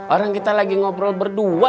orang kita lagi ngobrol berdua